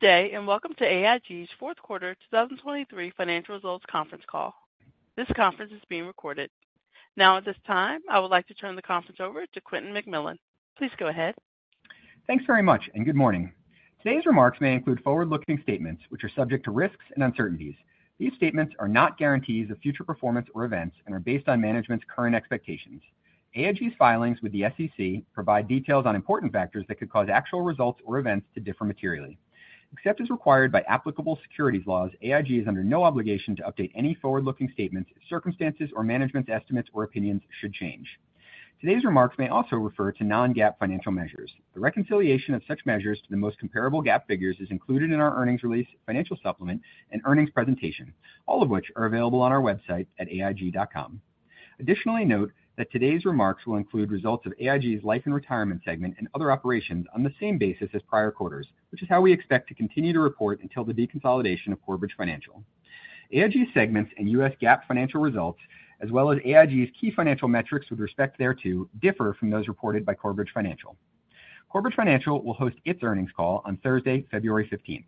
Good day, and welcome to AIG's fourth quarter 2023 financial results conference call. This conference is being recorded. Now, at this time, I would like to turn the conference over to Quentin McMillan. Please go ahead. Thanks very much, and good morning. Today's remarks may include forward-looking statements, which are subject to risks and uncertainties. These statements are not guarantees of future performance or events and are based on management's current expectations. AIG's filings with the SEC provide details on important factors that could cause actual results or events to differ materially. Except as required by applicable securities laws, AIG is under no obligation to update any forward-looking statements, if circumstances or management's estimates or opinions should change. Today's remarks may also refer to non-GAAP financial measures. The reconciliation of such measures to the most comparable GAAP figures is included in our earnings release, financial supplement, and earnings presentation, all of which are available on our website at aig.com. Additionally, note that today's remarks will include results of AIG's Life and Retirement segment and Other Operations on the same basis as prior quarters, which is how we expect to continue to report until the deconsolidation of Corebridge Financial. AIG segments and U.S. GAAP financial results, as well as AIG's key financial metrics with respect thereto, differ from those reported by Corebridge Financial. Corebridge Financial will host its earnings call on Thursday, February fifteenth.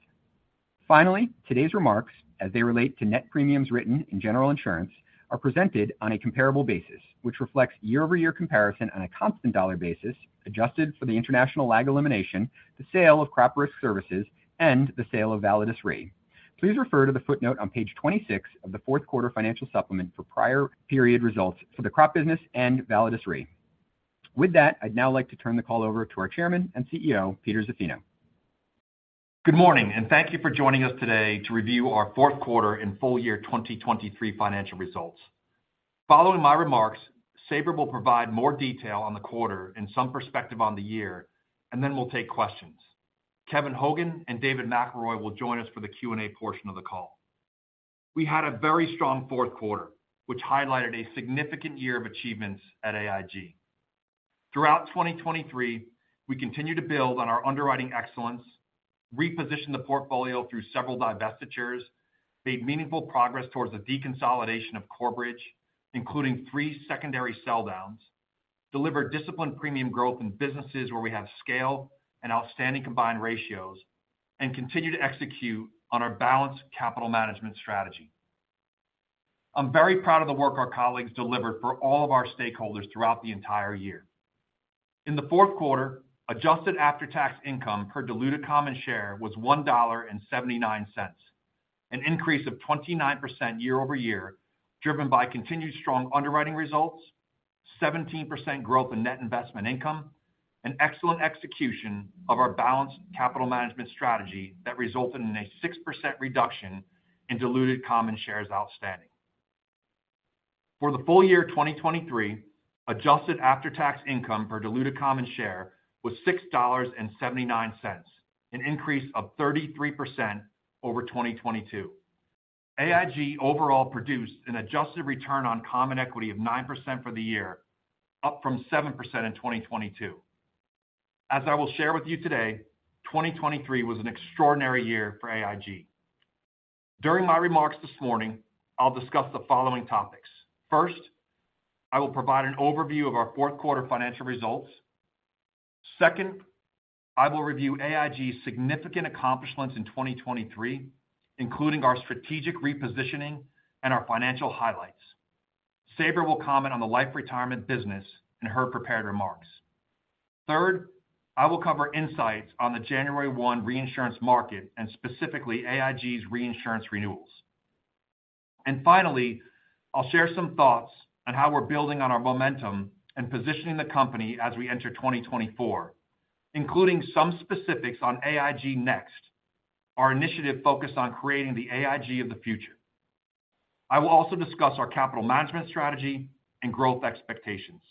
Finally, today's remarks, as they relate to net premiums written in General Insurance, are presented on a comparable basis, which reflects year-over-year comparison on a constant dollar basis, adjusted for the international lag elimination, the sale of Crop Risk Services, and the sale of Validus Re. Please refer to the footnote on page 26 of the fourth quarter financial supplement for prior period results for the crop business and Validus Re. With that, I'd now like to turn the call over to our Chairman and CEO, Peter Zaffino. Good morning, and thank you for joining us today to review our fourth quarter and full year 2023 financial results. Following my remarks, Sabra will provide more detail on the quarter and some perspective on the year, and then we'll take questions. Kevin Hogan and David McElroy will join us for the Q&A portion of the call. We had a very strong fourth quarter, which highlighted a significant year of achievements at AIG. Throughout 2023, we continued to build on our underwriting excellence, repositioned the portfolio through several divestitures, made meaningful progress towards the deconsolidation of Corebridge, including three secondary sell downs, delivered disciplined premium growth in businesses where we have scale and outstanding combined ratios, and continued to execute on our balanced capital management strategy. I'm very proud of the work our colleagues delivered for all of our stakeholders throughout the entire year. In the fourth quarter, adjusted after-tax income per diluted common share was $1.79, an increase of 29% year-over-year, driven by continued strong underwriting results, 17% growth in net investment income, and excellent execution of our balanced capital management strategy that resulted in a 6% reduction in diluted common shares outstanding. For the full year 2023, adjusted after-tax income per diluted common share was $6.79, an increase of 33% over 2022. AIG overall produced an adjusted return on common equity of 9% for the year, up from 7% in 2022. As I will share with you today, 2023 was an extraordinary year for AIG. During my remarks this morning, I'll discuss the following topics: First, I will provide an overview of our fourth quarter financial results. Second, I will review AIG's significant accomplishments in 2023, including our strategic repositioning and our financial highlights. Sabra will comment on the Life & Retirement business in her prepared remarks. Third, I will cover insights on the January 1 reinsurance market and specifically AIG's reinsurance renewals. Finally, I'll share some thoughts on how we're building on our momentum and positioning the company as we enter 2024, including some specifics on AIG Next, our initiative focused on creating the AIG of the future. I will also discuss our capital management strategy and growth expectations.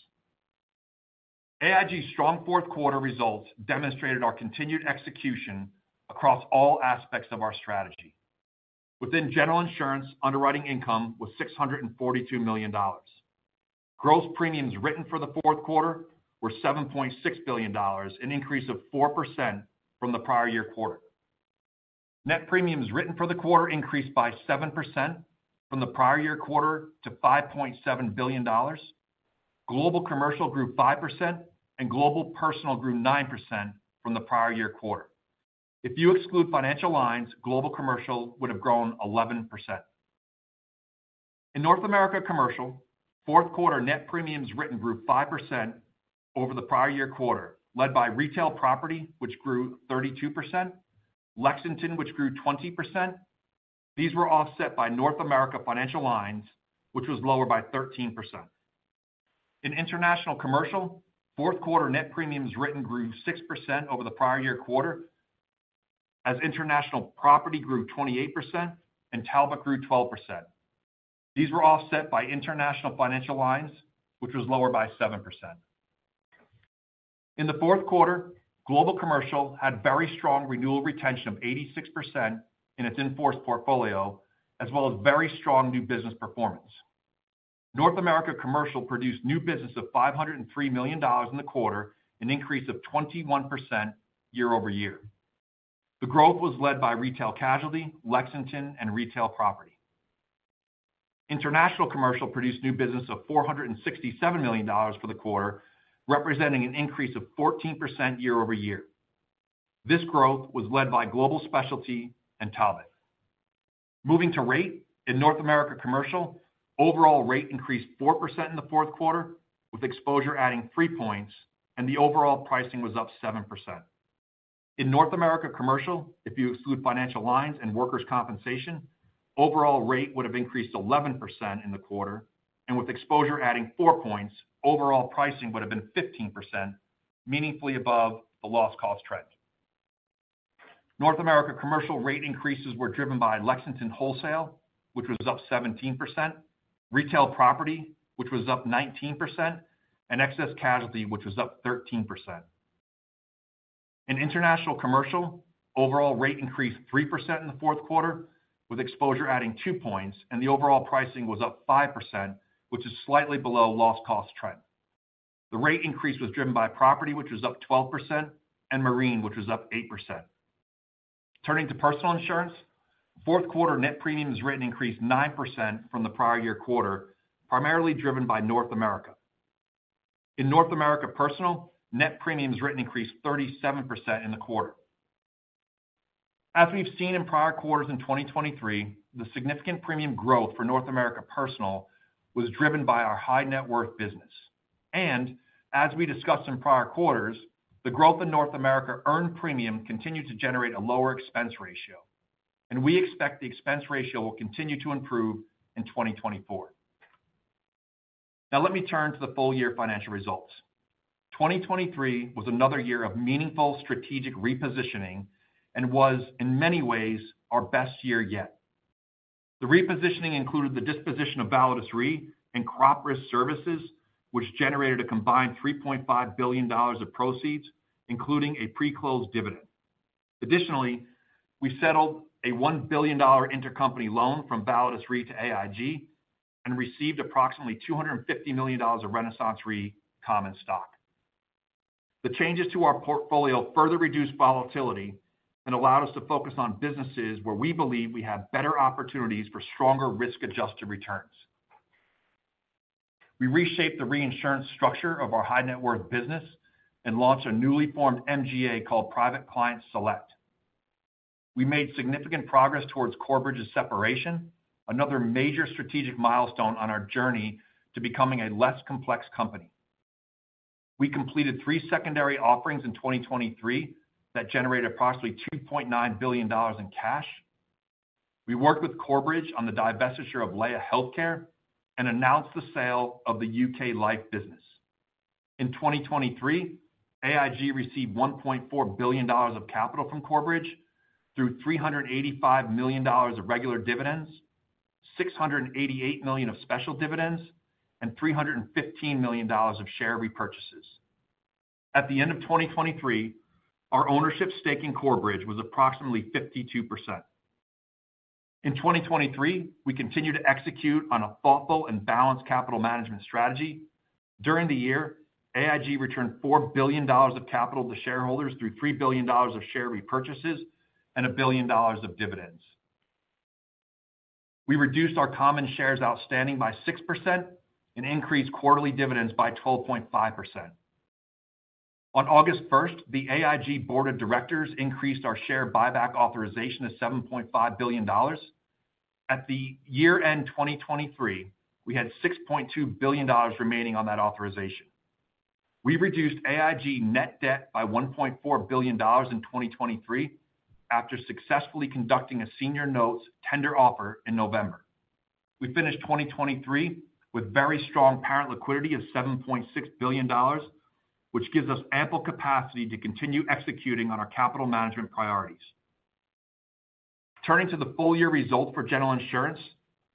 AIG's strong fourth quarter results demonstrated our continued execution across all aspects of our strategy. Within General Insurance, underwriting income was $642 million. Gross premiums written for the fourth quarter were $7.6 billion, an increase of 4% from the prior year quarter. Net premiums written for the quarter increased by 7% from the prior year quarter to $5.7 billion. Global Commercial grew 5%, and Global Personal grew 9% from the prior year quarter. If you exclude Financial Lines, Global Commercial would have grown 11%. In North America Commercial, fourth quarter net premiums written grew 5% over the prior year quarter, led by Retail Property, which grew 32%, Lexington, which grew 20%. These were offset by North America Financial Lines, which was lower by 13%. In International Commercial, fourth quarter net premiums written grew 6% over the prior year quarter, as International Property grew 28% and Talbot grew 12%. These were offset by International Financial Lines, which was lower by 7%. In the fourth quarter, Global Commercial had very strong renewal retention of 86% in its in-force portfolio, as well as very strong new business performance. North America Commercial produced new business of $503 million in the quarter, an increase of 21% year-over-year. The growth was led by Retail Casualty, Lexington, and Retail Property. International Commercial produced new business of $467 million for the quarter, representing an increase of 14% year-over-year. This growth was led by Global Specialty and Talbot. Moving to rate. In North America Commercial, overall rate increased 4% in the fourth quarter, with exposure adding 3 points, and the overall pricing was up 7%. In North America Commercial, if you exclude Financial Lines and Workers' Compensation, overall rate would have increased 11% in the quarter, and with exposure adding 4 points, overall pricing would have been 15%, meaningfully above the loss cost trend. North America commercial rate increases were driven by Lexington Wholesale, which was up 17%, Retail Property, which was up 19%, and Excess Casualty, which was up 13%. In International Commercial, overall rate increased 3% in the fourth quarter, with exposure adding two points, and the overall pricing was up 5%, which is slightly below loss cost trend. The rate increase was driven by Property, which was up 12%, and Marine, which was up 8%. Turning to Personal Insurance, fourth quarter net premiums written increased 9% from the prior year quarter, primarily driven by North America. In North America Personal, net premiums written increased 37% in the quarter. As we've seen in prior quarters in 2023, the significant premium growth for North America Personal was driven by our high net worth business. And as we discussed in prior quarters, the growth in North America earned premium continued to generate a lower expense ratio, and we expect the expense ratio will continue to improve in 2024. Now, let me turn to the full year financial results. 2023 was another year of meaningful strategic repositioning and was, in many ways, our best year yet. The repositioning included the disposition of Validus Re and Crop Risk Services, which generated a combined $3.5 billion of proceeds, including a pre-closed dividend. Additionally, we settled a $1 billion intercompany loan from Validus Re to AIG and received approximately $250 million of RenaissanceRe common stock. The changes to our portfolio further reduced volatility and allowed us to focus on businesses where we believe we have better opportunities for stronger risk-adjusted returns. We reshaped the reinsurance structure of our high net worth business and launched a newly formed MGA called Private Client Select. We made significant progress towards Corebridge's separation, another major strategic milestone on our journey to becoming a less complex company. We completed three secondary offerings in 2023, that generated approximately $2.9 billion in cash. We worked with Corebridge on the divestiture of Laya Healthcare and announced the sale of the U.K. Life business. In 2023, AIG received $1.4 billion of capital from Corebridge through $385 million of regular dividends, $688 million of special dividends, and $315 million of share repurchases. At the end of 2023, our ownership stake in Corebridge was approximately 52%. In 2023, we continued to execute on a thoughtful and balanced capital management strategy. During the year, AIG returned $4 billion of capital to shareholders through $3 billion of share repurchases and $1 billion of dividends. We reduced our common shares outstanding by 6% and increased quarterly dividends by 12.5%. On August 1, the AIG Board of Directors increased our share buyback authorization to $7.5 billion. At the year-end 2023, we had $6.2 billion remaining on that authorization. We reduced AIG net debt by $1.4 billion in 2023 after successfully conducting a senior notes tender offer in November. We finished 2023 with very strong parent liquidity of $7.6 billion, which gives us ample capacity to continue executing on our capital management priorities. Turning to the full-year result for General Insurance.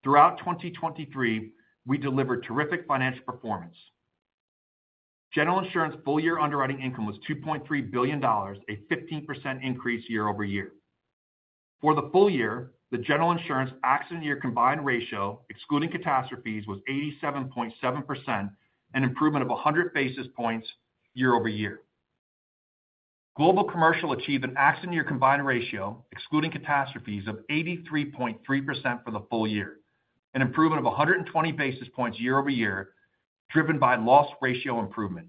Throughout 2023, we delivered terrific financial performance. General Insurance full-year underwriting income was $2.3 billion, a 15% increase year over year. For the full year, the General Insurance accident year combined ratio, excluding catastrophes, was 87.7%, an improvement of 100 basis points year-over-year. Global Commercial achieved an accident year combined ratio, excluding catastrophes, of 83.3% for the full year, an improvement of 120 basis points year over year, driven by loss ratio improvement.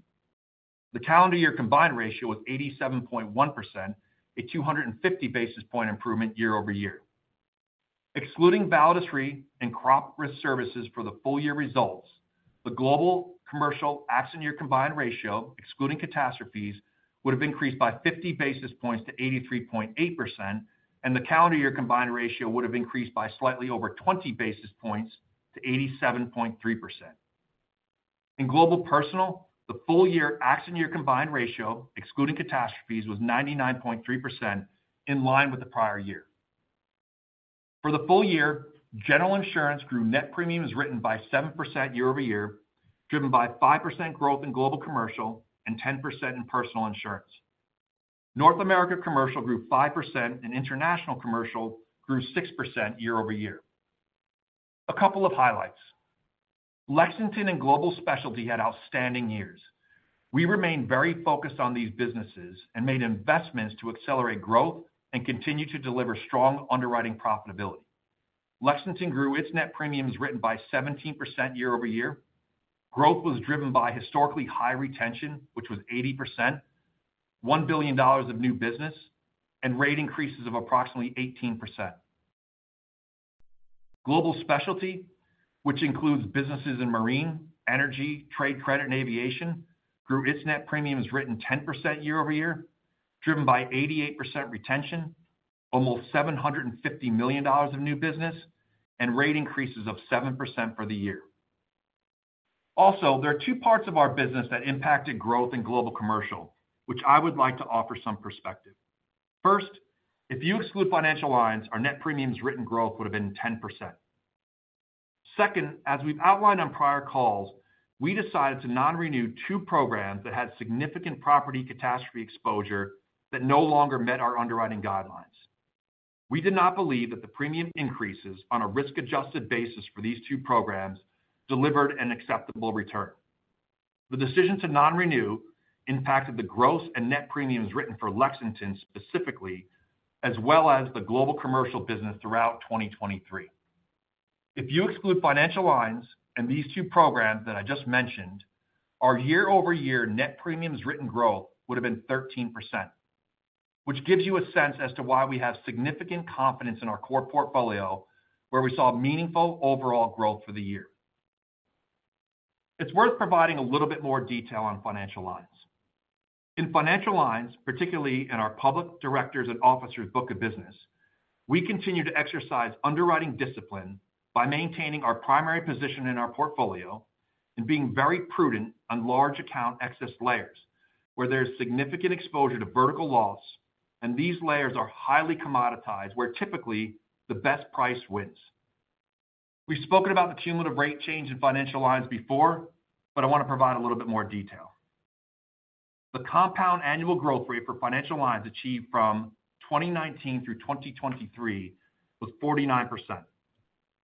The calendar year combined ratio was 87.1%, a 250 basis point improvement year-over-year. Excluding Validus Re and Crop Risk Services for the full year results, the Global Commercial accident year combined ratio, excluding catastrophes, would have increased by 50 basis points to 83.8%, and the calendar year combined ratio would have increased by slightly over 20 basis points to 87.3%. In Global Personal, the full year accident year combined ratio, excluding catastrophes, was 99.3%, in line with the prior year. For the full year, General Insurance grew net premiums written by 7% year-over-year, driven by 5% growth in Global Commercial and 10% in Personal Insurance. North America Commercial grew 5%, and International Commercial grew 6% year-over-year. A couple of highlights: Lexington and Global Specialty had outstanding years. We remained very focused on these businesses and made investments to accelerate growth and continue to deliver strong underwriting profitability. Lexington grew its net premiums written by 17% year-over-year. Growth was driven by historically high retention, which was 80%, $1 billion of new business, and rate increases of approximately 18%. Global Specialty, which includes businesses in marine, energy, trade credit, and aviation, grew its net premiums written 10% year-over-year, driven by 88% retention, almost $750 million of new business, and rate increases of 7% for the year. Also, there are two parts of our business that impacted growth in Global Commercial, which I would like to offer some perspective. First, if you exclude Financial Lines, our net premiums written growth would have been 10%. Second, as we've outlined on prior calls, we decided to non-renew two programs that had significant property catastrophe exposure that no longer met our underwriting guidelines. We did not believe that the premium increases on a risk-adjusted basis for these two programs delivered an acceptable return. The decision to non-renew impacted the gross and net premiums written for Lexington specifically, as well as the Global Commercial business throughout 2023. If you exclude Financial Lines and these two programs that I just mentioned, our year-over-year net premiums written growth would have been 13%, which gives you a sense as to why we have significant confidence in our core portfolio, where we saw meaningful overall growth for the year. It's worth providing a little bit more detail on Financial Lines. In Financial Lines, particularly in our Public Directors and Officers book of business, we continue to exercise underwriting discipline by maintaining our primary position in our portfolio and being very prudent on large account excess layers, where there's significant exposure to vertical loss, and these layers are highly commoditized, where typically the best price wins. We've spoken about the cumulative rate change in Financial Lines before, but I want to provide a little bit more detail. The compound annual growth rate for Financial Lines achieved from 2019 through 2023 was 49%.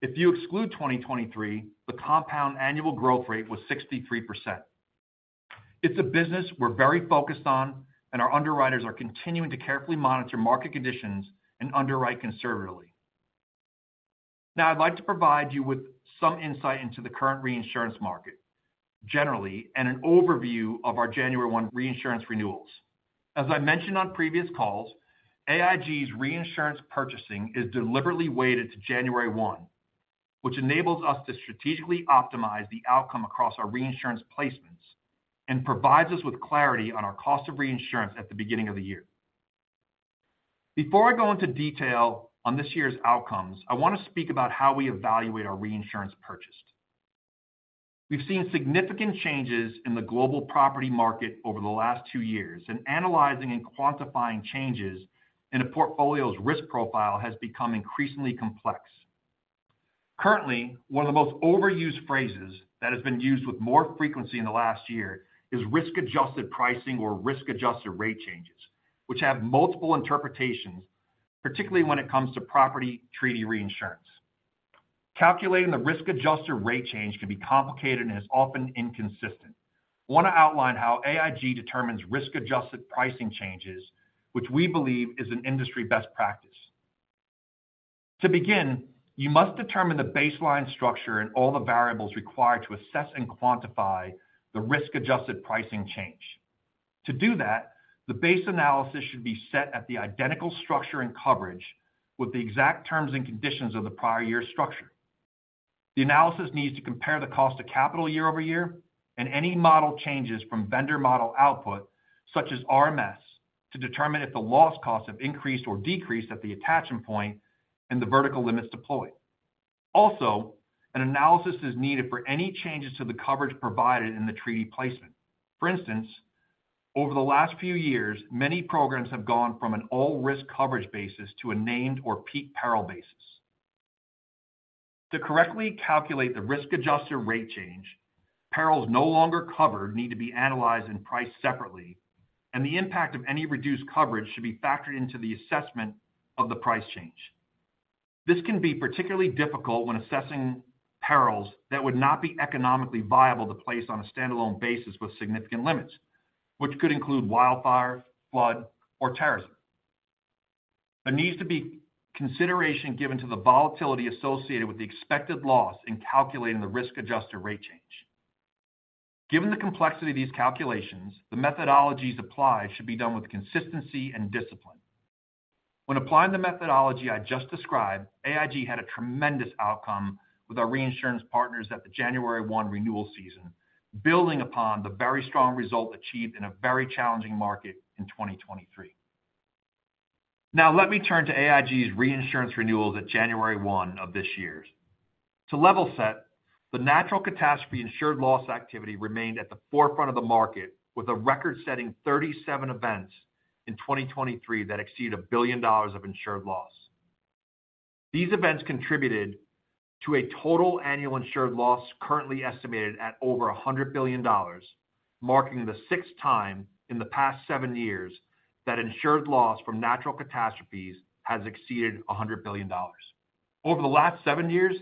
If you exclude 2023, the compound annual growth rate was 63%. It's a business we're very focused on, and our underwriters are continuing to carefully monitor market conditions and underwrite conservatively. Now, I'd like to provide you with some insight into the current reinsurance market generally, and an overview of our January 1 reinsurance renewals. As I mentioned on previous calls, AIG's reinsurance purchasing is deliberately weighted to January 1, which enables us to strategically optimize the outcome across our reinsurance placements and provides us with clarity on our cost of reinsurance at the beginning of the year. Before I go into detail on this year's outcomes, I want to speak about how we evaluate our reinsurance purchase. We've seen significant changes in the global property market over the last two years, and analyzing and quantifying changes in a portfolio's risk profile has become increasingly complex. Currently, one of the most overused phrases that has been used with more frequency in the last year is risk-adjusted pricing or risk-adjusted rate changes, which have multiple interpretations, particularly when it comes to property treaty reinsurance. Calculating the risk-adjusted rate change can be complicated and is often inconsistent. I want to outline how AIG determines risk-adjusted pricing changes, which we believe is an industry best practice. To begin, you must determine the baseline structure and all the variables required to assess and quantify the risk-adjusted pricing change. To do that, the base analysis should be set at the identical structure and coverage with the exact terms and conditions of the prior year's structure. The analysis needs to compare the cost of capital year-over-year and any model changes from vendor model output, such as RMS, to determine if the loss costs have increased or decreased at the attachment point and the vertical limits deployed. Also, an analysis is needed for any changes to the coverage provided in the treaty placement. For instance, over the last few years, many programs have gone from an all-risk coverage basis to a named or peak peril basis. To correctly calculate the risk-adjusted rate change, perils no longer covered need to be analyzed and priced separately, and the impact of any reduced coverage should be factored into the assessment of the price change. This can be particularly difficult when assessing perils that would not be economically viable to place on a standalone basis with significant limits, which could include wildfire, flood, or terrorism. There needs to be consideration given to the volatility associated with the expected loss in calculating the risk-adjusted rate change. Given the complexity of these calculations, the methodologies applied should be done with consistency and discipline. When applying the methodology I just described, AIG had a tremendous outcome with our reinsurance partners at the January 1 renewal season, building upon the very strong result achieved in a very challenging market in 2023. Now, let me turn to AIG's reinsurance renewals at January 1 of this year. To level set, the natural catastrophe insured loss activity remained at the forefront of the market, with a record-setting 37 events in 2023 that exceeded $1 billion of insured loss. These events contributed to a total annual insured loss currently estimated at over $100 billion. marking the sixth time in the past seven years that insured loss from natural catastrophes has exceeded $100 billion. Over the last seven years,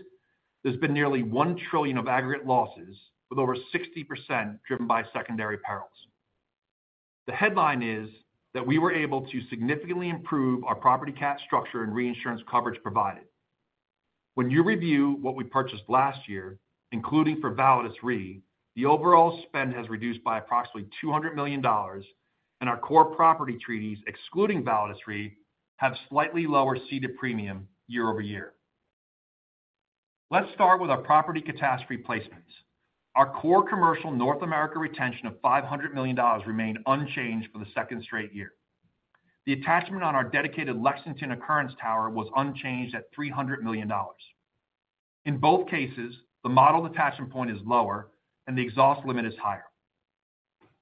there's been nearly $1 trillion of aggregate losses, with over 60% driven by secondary perils. The headline is that we were able to significantly improve our property cat structure and reinsurance coverage provided. When you review what we purchased last year, including for Validus Re, the overall spend has reduced by approximately $200 million, and our core property treaties, excluding Validus Re, have slightly lower ceded premium year-over-year. Let's start with our property catastrophe placements. Our core commercial North America retention of $500 million remained unchanged for the second straight year. The attachment on our dedicated Lexington Occurrence Tower was unchanged at $300 million. In both cases, the modeled attachment point is lower and the exhaust limit is higher.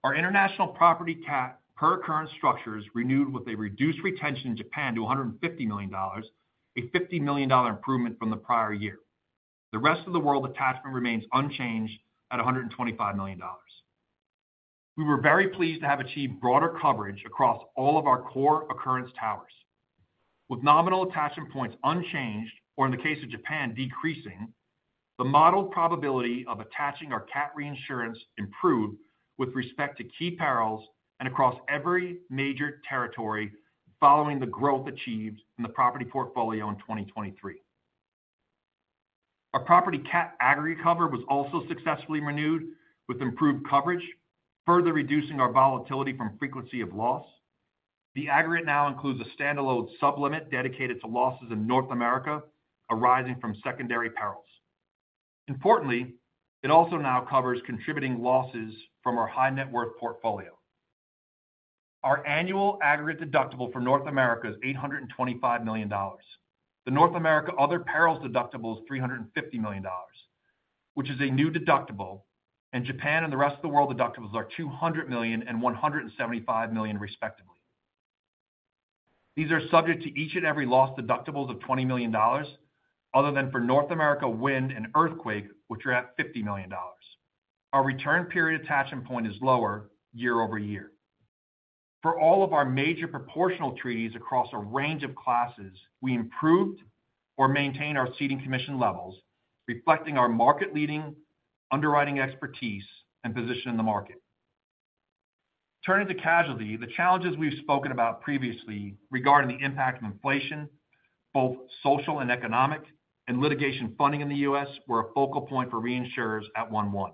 Our international property cat per occurrence structure is renewed with a reduced retention in Japan to $150 million, a $50 million improvement from the prior year. The rest of the world attachment remains unchanged at $125 million. We were very pleased to have achieved broader coverage across all of our core occurrence towers. With nominal attachment points unchanged, or in the case of Japan, decreasing, the modeled probability of attaching our cat reinsurance improved with respect to key perils and across every major territory, following the growth achieved in the property portfolio in 2023. Our property cat aggregate cover was also successfully renewed with improved coverage, further reducing our volatility from frequency of loss. The aggregate now includes a standalone sub-limit dedicated to losses in North America, arising from secondary perils. Importantly, it also now covers contributing losses from our high-net-worth portfolio. Our annual aggregate deductible for North America is $825 million. The North America other perils deductible is $350 million, which is a new deductible, and Japan and the rest of the world deductibles are $200 million and $175 million, respectively. These are subject to each and every loss deductibles of $20 million, other than for North America, wind and earthquake, which are at $50 million. Our return period attachment point is lower year over year. For all of our major proportional treaties across a range of classes, we improved or maintained our ceding commission levels, reflecting our market-leading underwriting expertise and position in the market. Turning to casualty, the challenges we've spoken about previously regarding the impact of inflation, both social and economic, and litigation funding in the U.S., were a focal point for reinsurers at 1/1.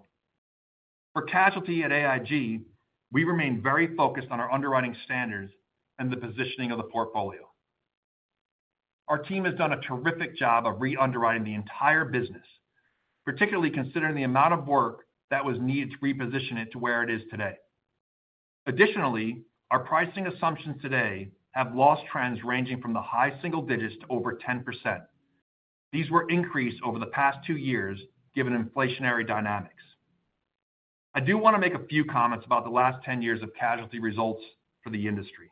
For casualty at AIG, we remain very focused on our underwriting standards and the positioning of the portfolio. Our team has done a terrific job of re-underwriting the entire business, particularly considering the amount of work that was needed to reposition it to where it is today. Additionally, our pricing assumptions today have loss trends ranging from the high single digits to over 10%. These were increased over the past two years, given inflationary dynamics. I do want to make a few comments about the last 10 years of casualty results for the industry.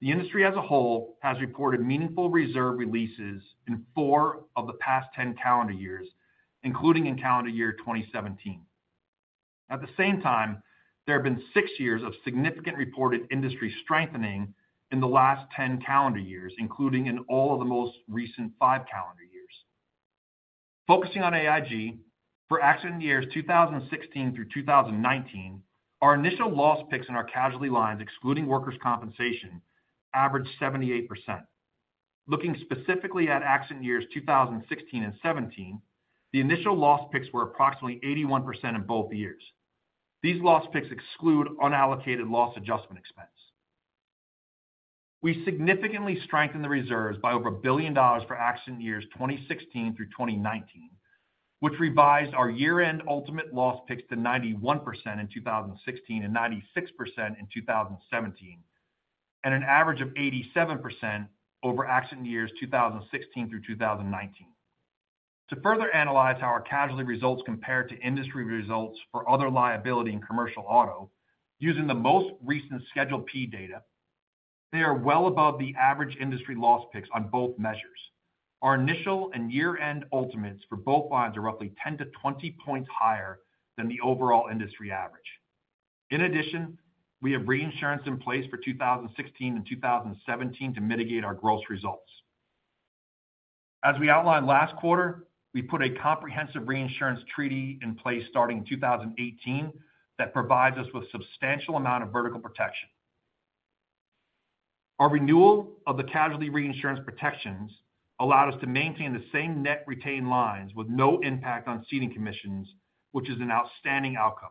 The industry as a whole has reported meaningful reserve releases in four of the past 10 calendar years, including in calendar year 2017. At the same time, there have been 6 years of significant reported industry strengthening in the last 10 calendar years, including in all of the most recent five calendar years. Focusing on AIG, for accident years 2016 through 2019, our initial loss picks in our casualty lines, excluding workers' compensation, averaged 78%. Looking specifically at accident years, 2016 and 2017, the initial loss picks were approximately 81% in both years. These loss picks exclude unallocated loss adjustment expense. We significantly strengthened the reserves by over $1 billion for accident years 2016 through 2019, which revised our year-end ultimate loss picks to 91% in 2016 and 96% in 2017, and an average of 87% over accident years 2016 through 2019. To further analyze how our casualty results compare to industry results for Other Liability and Commercial Auto, using the most recent Schedule P data, they are well above the average industry loss picks on both measures. Our initial and year-end ultimates for both lines are roughly 10-20 points higher than the overall industry average. In addition, we have reinsurance in place for 2016 and 2017 to mitigate our gross results. As we outlined last quarter, we put a comprehensive reinsurance treaty in place starting in 2018, that provides us with substantial amount of vertical protection. Our renewal of the casualty reinsurance protections allowed us to maintain the same net retained lines with no impact on ceding commissions, which is an outstanding outcome.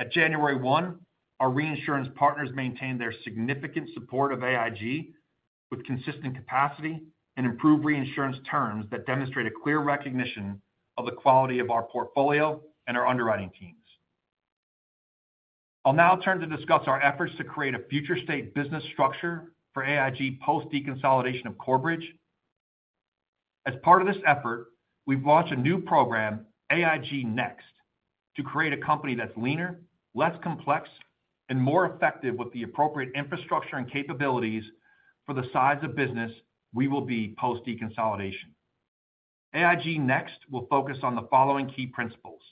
At January 1, our reinsurance partners maintained their significant support of AIG, with consistent capacity and improved reinsurance terms that demonstrate a clear recognition of the quality of our portfolio and our underwriting teams. I'll now turn to discuss our efforts to create a future state business structure for AIG post deconsolidation of Corebridge. As part of this effort, we've launched a new program, AIG Next, to create a company that's leaner, less complex, and more effective with the appropriate infrastructure and capabilities for the size of business we will be post deconsolidation. AIG Next will focus on the following key principles: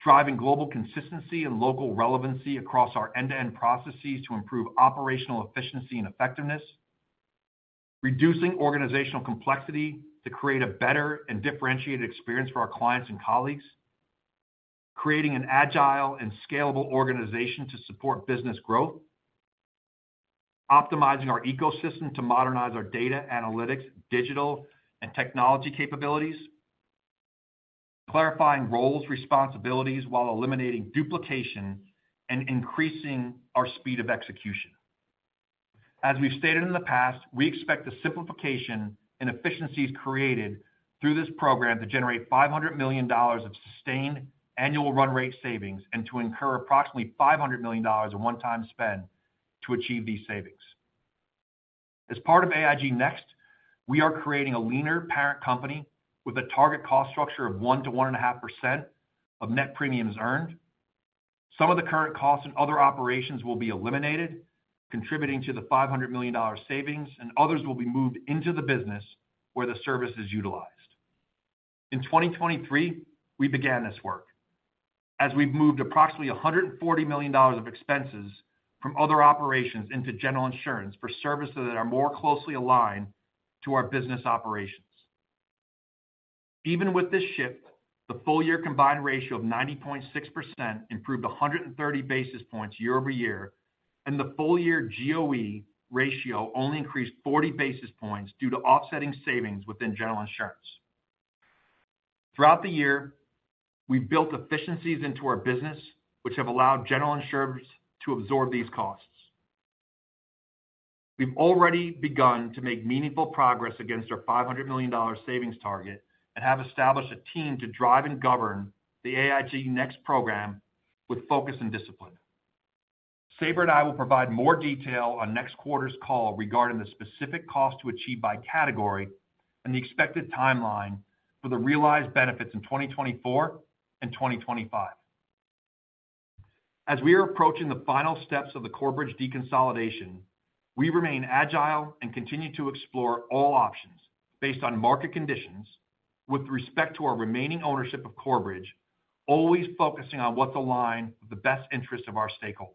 driving global consistency and local relevancy across our end-to-end processes to improve operational efficiency and effectiveness, reducing organizational complexity to create a better and differentiated experience for our clients and colleagues, creating an agile and scalable organization to support business growth, optimizing our ecosystem to modernize our data, analytics, digital, and technology capabilities, clarifying roles, responsibilities, while eliminating duplication and increasing our speed of execution. As we've stated in the past, we expect the simplification and efficiencies created through this program to generate $500 million of sustained annual run rate savings and to incur approximately $500 million in one-time spend to achieve these savings. As part of AIG Next, we are creating a leaner parent company with a target cost structure of 1%-1.5% of net premiums earned. Some of the current costs and other operations will be eliminated, contributing to the $500 million savings, and others will be moved into the business where the service is utilized. In 2023, we began this work, as we've moved approximately $140 million of expenses from other operations into General Insurance for services that are more closely aligned to our business operations. Even with this shift, the full year combined ratio of 90.6% improved 130 basis points year over year, and the full year GOE ratio only increased 40 basis points due to offsetting savings within General Insurance. Throughout the year, we've built efficiencies into our business, which have allowed General Insurance to absorb these costs. We've already begun to make meaningful progress against our $500 million savings target and have established a team to drive and govern the AIG Next program with focus and discipline. Sabra and I will provide more detail on next quarter's call regarding the specific cost to achieve by category and the expected timeline for the realized benefits in 2024 and 2025. As we are approaching the final steps of the Corebridge deconsolidation, we remain agile and continue to explore all options based on market conditions with respect to our remaining ownership of Corebridge, always focusing on what's aligned with the best interest of our stakeholders.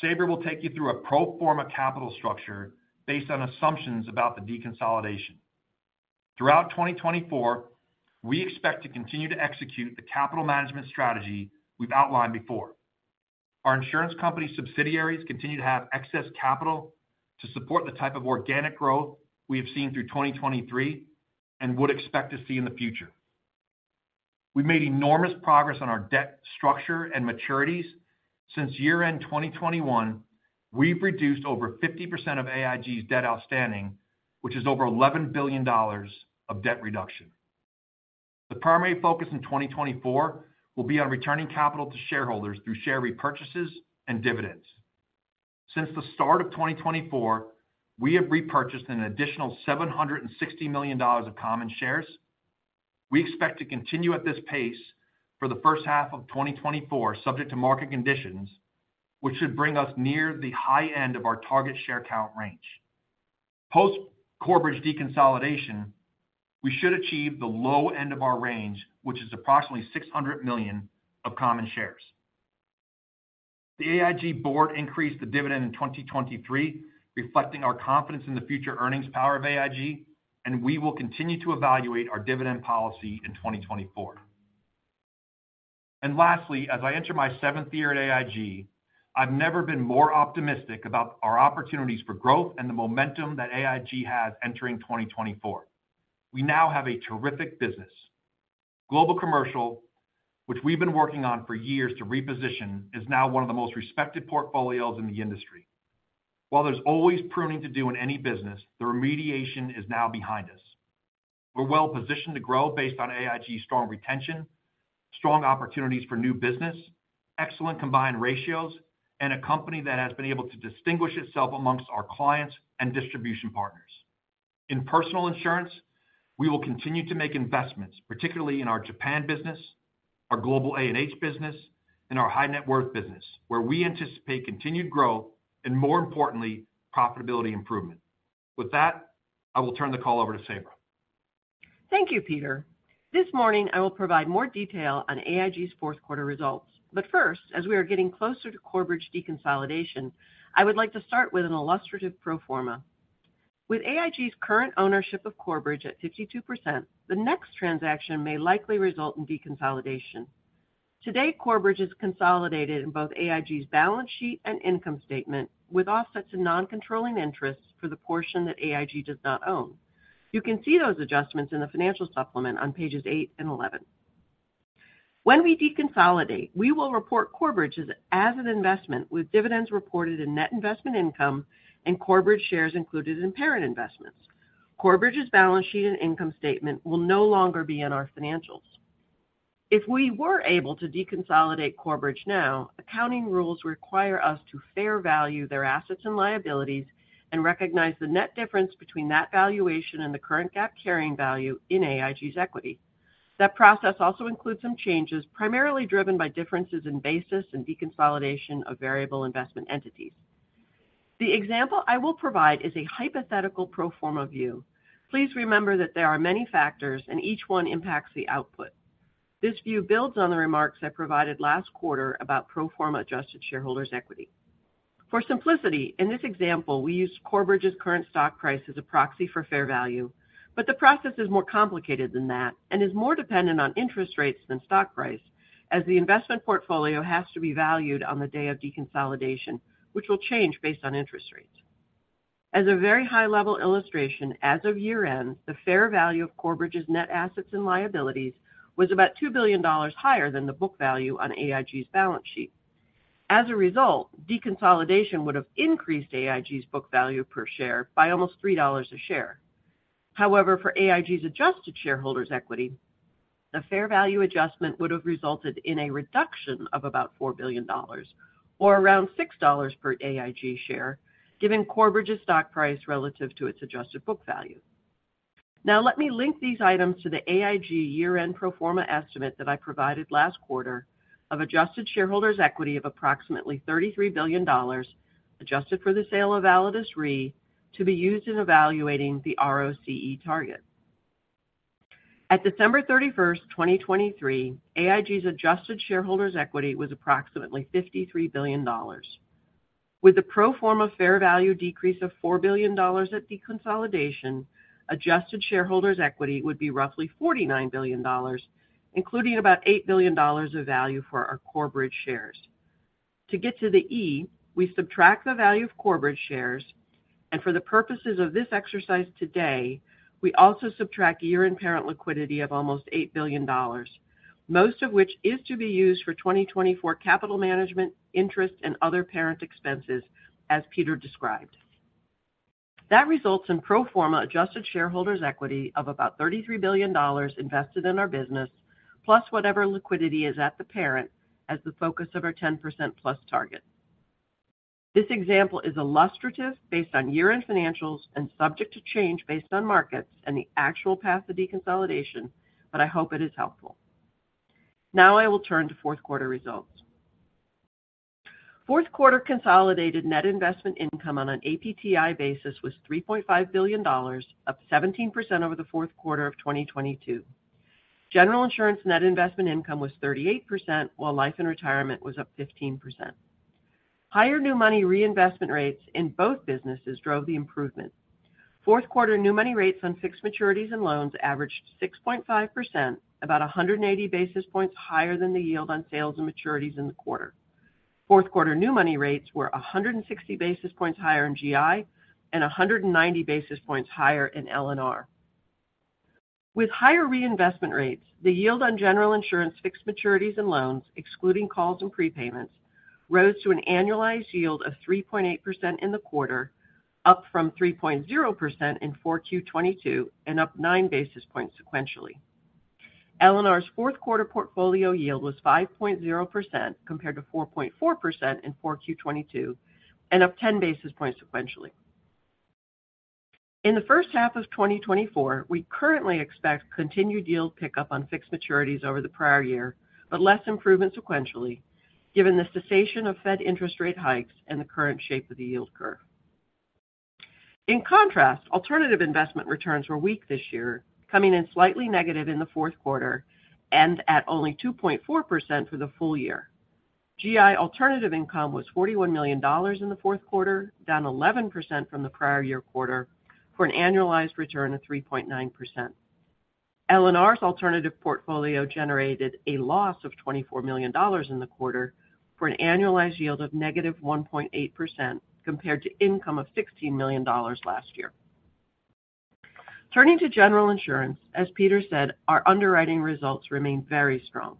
Sabra will take you through a pro forma capital structure based on assumptions about the deconsolidation. Throughout 2024, we expect to continue to execute the capital management strategy we've outlined before. Our insurance company subsidiaries continue to have excess capital to support the type of organic growth we have seen through 2023 and would expect to see in the future. We've made enormous progress on our debt structure and maturities. Since year-end 2021, we've reduced over 50% of AIG's debt outstanding, which is over $11 billion of debt reduction. The primary focus in 2024 will be on returning capital to shareholders through share repurchases and dividends. Since the start of 2024, we have repurchased an additional $760 million of common shares. We expect to continue at this pace for the first half of 2024, subject to market conditions, which should bring us near the high end of our target share count range. Post-Corebridge deconsolidation, we should achieve the low end of our range, which is approximately 600 million of common shares. The AIG Board increased the dividend in 2023, reflecting our confidence in the future earnings power of AIG, and we will continue to evaluate our dividend policy in 2024. And lastly, as I enter my seventh year at AIG, I've never been more optimistic about our opportunities for growth and the momentum that AIG has entering 2024. We now have a terrific business. Global Commercial, which we've been working on for years to reposition, is now one of the most respected portfolios in the industry. While there's always pruning to do in any business, the remediation is now behind us. We're well positioned to grow based on AIG's strong retention, strong opportunities for new business, excellent combined ratios, and a company that has been able to distinguish itself amongst our clients and distribution partners. In personal insurance, we will continue to make investments, particularly in our Japan business, our Global A&H business, and our high-net-worth business, where we anticipate continued growth and, more importantly, profitability improvement. With that, I will turn the call over to Sabra. Thank you, Peter. This morning, I will provide more detail on AIG's fourth quarter results. But first, as we are getting closer to Corebridge deconsolidation, I would like to start with an illustrative pro forma. With AIG's current ownership of Corebridge at 52%, the next transaction may likely result in deconsolidation. Today, Corebridge is consolidated in both AIG's balance sheet and income statement, with offsets in non-controlling interests for the portion that AIG does not own. You can see those adjustments in the financial supplement on pages eight and 11. When we deconsolidate, we will report Corebridge as an investment, with dividends reported in net investment income and Corebridge shares included in parent investments. Corebridge's balance sheet and income statement will no longer be in our financials. If we were able to deconsolidate Corebridge now, accounting rules require us to fair value their assets and liabilities and recognize the net difference between that valuation and the current GAAP carrying value in AIG's equity. That process also includes some changes, primarily driven by differences in basis and deconsolidation of variable interest entities.... The example I will provide is a hypothetical pro forma view. Please remember that there are many factors, and each one impacts the output. This view builds on the remarks I provided last quarter about pro forma adjusted shareholders' equity. For simplicity, in this example, we use Corebridge's current stock price as a proxy for fair value, but the process is more complicated than that and is more dependent on interest rates than stock price, as the investment portfolio has to be valued on the day of deconsolidation, which will change based on interest rates. As a very high-level illustration, as of year-end, the fair value of Corebridge's net assets and liabilities was about $2 billion higher than the book value on AIG's balance sheet. As a result, deconsolidation would have increased AIG's book value per share by almost $3 a share. However, for AIG's adjusted shareholders' equity, the fair value adjustment would have resulted in a reduction of about $4 billion, or around $6 per AIG share, given Corebridge's stock price relative to its adjusted book value. Now, let me link these items to the AIG year-end pro forma estimate that I provided last quarter of adjusted shareholders' equity of approximately $33 billion, adjusted for the sale of Validus Re, to be used in evaluating the ROCE target. At December 31, 2023, AIG's adjusted shareholders' equity was approximately $53 billion. With the pro forma fair value decrease of $4 billion at deconsolidation, adjusted shareholders' equity would be roughly $49 billion, including about $8 billion of value for our Corebridge shares. To get to the E, we subtract the value of Corebridge shares, and for the purposes of this exercise today, we also subtract year-end parent liquidity of almost $8 billion, most of which is to be used for 2024 capital management, interest, and other parent expenses, as Peter described. That results in pro forma adjusted shareholders' equity of about $33 billion invested in our business, plus whatever liquidity is at the parent as the focus of our 10%+ target. This example is illustrative based on year-end financials and subject to change based on markets and the actual path to deconsolidation, but I hope it is helpful. Now I will turn to fourth quarter results. Fourth quarter consolidated net investment income on an APTI basis was $3.5 billion, up 17% over the fourth quarter of 2022. General Insurance net investment income was 38%, while Life & Retirement was up 15%. Higher new money reinvestment rates in both businesses drove the improvement. Fourth quarter new money rates on fixed maturities and loans averaged 6.5%, about 180 basis points higher than the yield on sales and maturities in the quarter. Fourth quarter new money rates were 160 basis points higher in GI and 190 basis points higher in L&R. With higher reinvestment rates, the yield on General Insurance fixed maturities and loans, excluding calls and prepayments, rose to an annualized yield of 3.8% in the quarter, up from 3.0% in 4Q22 and up 9 basis points sequentially. L&R's fourth quarter portfolio yield was 5.0%, compared to 4.4% in 4Q22 and up 10 basis points sequentially. In the first half of 2024, we currently expect continued yield pickup on fixed maturities over the prior year, but less improvement sequentially, given the cessation of Fed interest rate hikes and the current shape of the yield curve. In contrast, alternative investment returns were weak this year, coming in slightly negative in the fourth quarter and at only 2.4% for the full year. GI alternative income was $41 million in the fourth quarter, down 11% from the prior year quarter, for an annualized return of 3.9%. L&R's alternative portfolio generated a loss of $24 million in the quarter, for an annualized yield of -1.8%, compared to income of $16 million last year. Turning to General Insurance, as Peter said, our underwriting results remain very strong.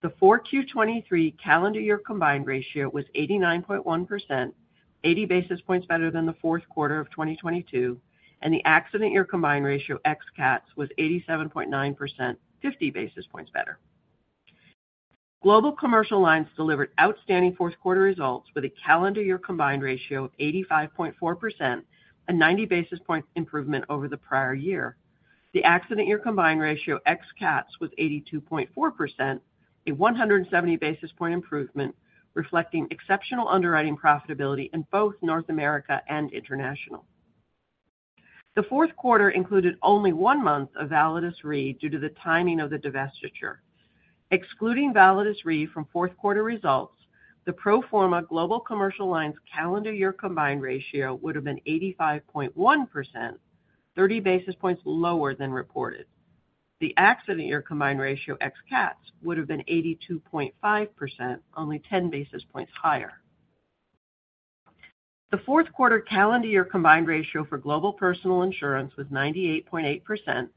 The 4Q 2023 calendar year combined ratio was 89.1%, 80 basis points better than the fourth quarter of 2022, and the accident year combined ratio ex cats was 87.9%, 50 basis points better. Global Commercial Lines delivered outstanding fourth quarter results with a calendar year combined ratio of 85.4%, a 90 basis point improvement over the prior year. The accident year combined ratio ex cats was 82.4%, a 170 basis point improvement, reflecting exceptional underwriting profitability in both North America and International. The fourth quarter included only 1 month of Validus Re due to the timing of the divestiture. Excluding Validus Re from fourth quarter results, the pro forma Global Commercial Lines calendar year combined ratio would have been 85.1%, 30 basis points lower than reported. The accident year combined ratio ex cats would have been 82.5%, only 10 basis points higher. The fourth quarter calendar year combined ratio for Global Personal Insurance was 98.8%,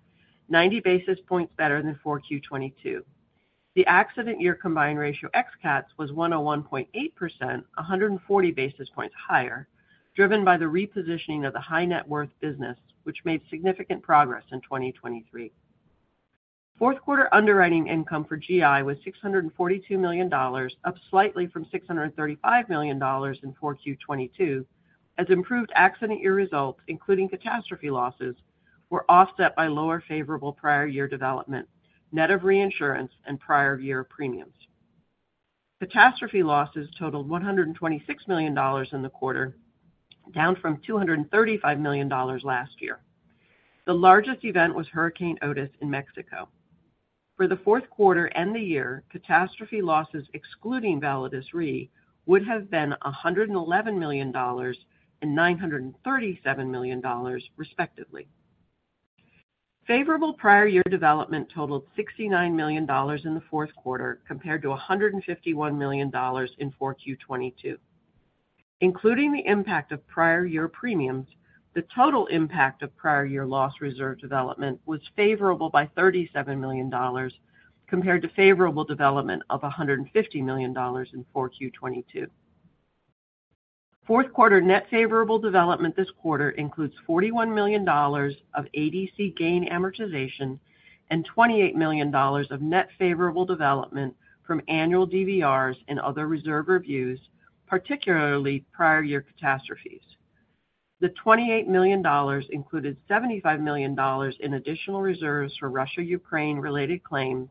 90 basis points better than 4Q 2022. The accident year combined ratio ex cats was 101.8%, 140 basis points higher, driven by the repositioning of the high net worth business, which made significant progress in 2023. Fourth quarter underwriting income for GI was $642 million, up slightly from $635 million in 4Q 2022, as improved accident year results, including catastrophe losses, were offset by lower favorable prior year development, net of reinsurance and prior year premiums. Catastrophe losses totaled $126 million in the quarter, down from $235 million last year. The largest event was Hurricane Otis in Mexico. For the fourth quarter and the year, catastrophe losses, excluding Validus Re, would have been $111 million and $937 million, respectively. Favorable prior year development totaled $69 million in the fourth quarter, compared to $151 million in 4Q 2022. Including the impact of prior year premiums, the total impact of prior year loss reserve development was favorable by $37 million, compared to favorable development of $150 million in 4Q 2022. Fourth quarter net favorable development this quarter includes $41 million of ADC gain amortization and $28 million of net favorable development from annual DVRs and other reserve reviews, particularly prior year catastrophes. The $28 million included $75 million in additional reserves for Russia, Ukraine-related claims,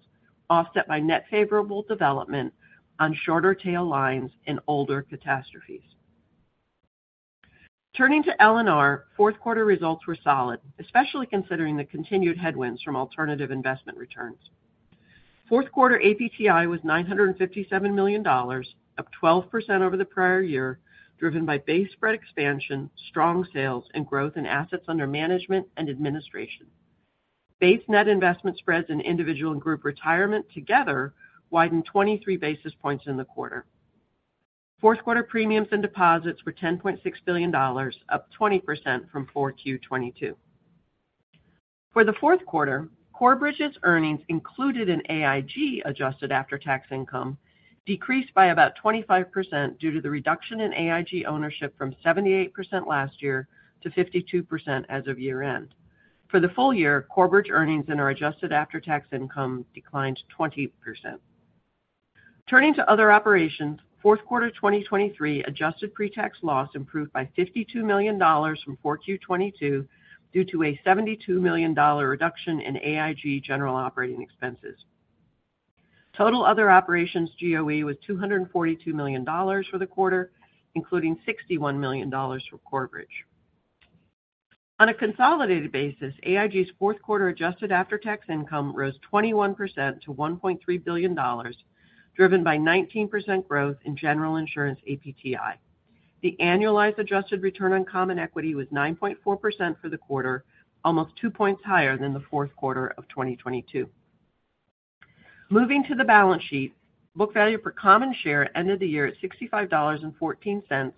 offset by net favorable development on shorter tail lines and older catastrophes. Turning to L&R, fourth quarter results were solid, especially considering the continued headwinds from alternative investment returns. Fourth quarter APTI was $957 million, up 12% over the prior year, driven by base spread expansion, strong sales, and growth in assets under management and administration. Base net investment spreads in individual and group retirement together widened 23 basis points in the quarter. Fourth quarter premiums and deposits were $10.6 billion, up 20% from 4Q 2022. For the fourth quarter, Corebridge's earnings, included in AIG's adjusted after-tax income, decreased by about 25% due to the reduction in AIG ownership from 78% last year to 52% as of year-end. For the full year, Corebridge earnings and our adjusted after-tax income declined 20%. Turning to other operations, fourth quarter 2023 adjusted pretax loss improved by $52 million from 4Q 2022 due to a $72 million reduction in AIG general operating expenses. Total other operations GOE was $242 million for the quarter, including $61 million for Corebridge. On a consolidated basis, AIG's fourth quarter adjusted after-tax income rose 21% to $1.3 billion, driven by 19% growth in general insurance APTI. The annualized adjusted return on common equity was 9.4% for the quarter, almost two points higher than the fourth quarter of 2022. Moving to the balance sheet, book value per common share ended the year at $65.14,